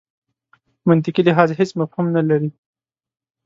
منطقي لحاظ هېڅ مفهوم نه لري.